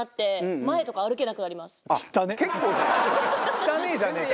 汚えじゃねえかよ。